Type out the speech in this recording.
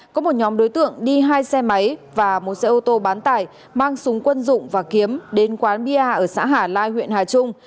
có một nhóm đối tượng đi hai xe máy và một xe ô tô bán tải mang súng quân dụng và kiếm đến quán bia ở xã hà lai huyện hà trung